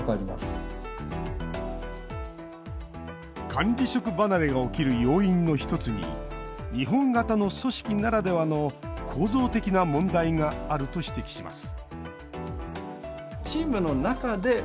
管理職離れが起きる要因の１つに日本型の組織ならではの構造的な問題があると指摘します